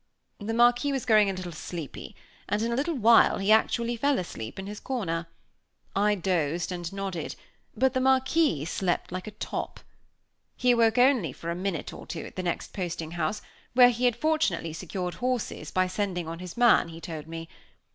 The Marquis was growing a little sleepy, and, in a little while, he actually fell asleep in his corner. I dozed and nodded; but the Marquis slept like a top. He awoke only for a minute or two at the next posting house where he had fortunately secured horses by sending on his man, he told me.